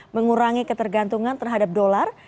mengurangi ketergantungan terhadap dolar